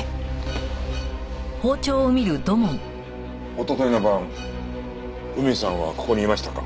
一昨日の晩海さんはここにいましたか？